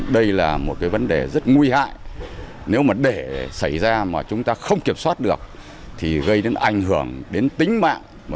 đây là một cái vấn đề rất nguy hại nếu mà để xảy ra mà chúng ta không kiểm soát được thì gây đến ảnh hưởng đến tính mạng